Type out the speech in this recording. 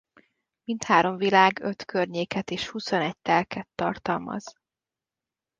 Mindhárom világ öt környéket és huszonegy telket tartalmaz.